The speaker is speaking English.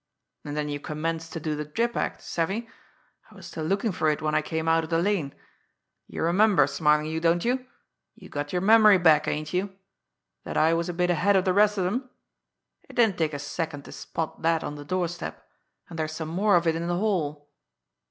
And then you commenced to do the drip act savvy? I was still looking for it when I came out of the lane you remember, Smarlinghue, don't you? you got your memory back, ain't you? that I was a bit ahead of the rest of 'em? It didn't take a second to spot that on the doorstep, and there's some more of it in the hall.